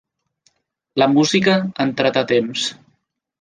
La música ha entrat a temps.